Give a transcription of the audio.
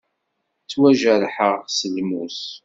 Ttwajerḥeɣ s lmus.